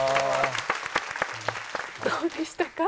どうでしたか？